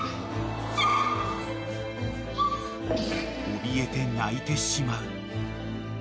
［おびえて鳴いてしまう］